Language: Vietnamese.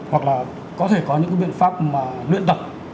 hoặc là có thể có những cái biện pháp mà luyện tập